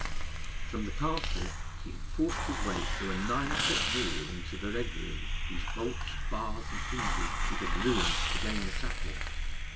From the castle he had forced his way through a nine foot wall into the Red Room, whose bolts, bars, and hinges he had ruined to gain the Chapel.